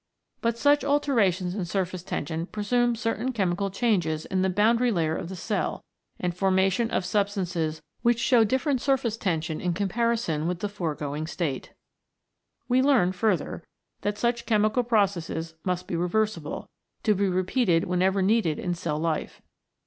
But such alterations in surface tension presume certain chemical changes in the boundary layer of the cell, and formation of substances which show different surface tension in comparison with the foregoing state. We learn, further, that such chemical processes must be reversible, to be repeated whenever needed in cell life.